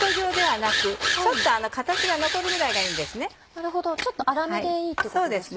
なるほどちょっと粗めでいいってことですね。